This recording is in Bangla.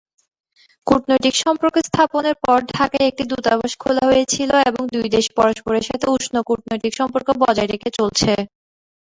কূটনৈতিক সম্পর্ক স্থাপনের পর ঢাকায় একটি দূতাবাস খোলা হয়েছিল এবং দুই দেশ পরস্পরের সাথে উষ্ণ কূটনৈতিক সম্পর্ক বজায় রেখে চলছে।